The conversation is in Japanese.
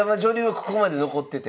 ここまで残ってて。